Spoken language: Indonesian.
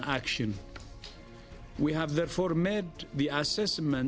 kami telah menilai penyelesaian